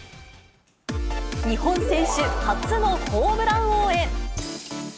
日本選手初のホームラン王へ。